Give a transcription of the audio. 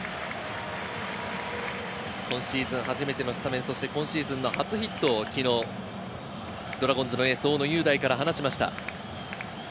今シーズン初めてのスタメン、今シーズンの初ヒットを昨日、ドラゴンズのエース・大野雄大から放ちました。